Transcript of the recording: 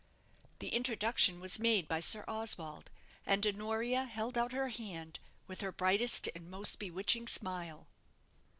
The introduction was made by Sir Oswald, and Honoria held out her hand with her brightest and most bewitching smile.